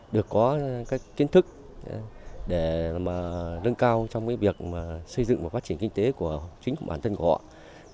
được có các kiến thức để mà nâng cao trong việc xây dựng và phát triển kinh tế của chính bản thân của họ